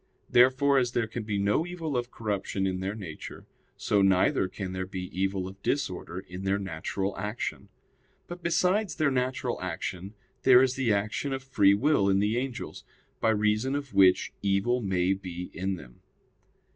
Therefore as there can be no evil of corruption in their nature; so neither can there be evil of disorder in their natural action. But besides their natural action there is the action of free will in the angels, by reason of which evil may be in them.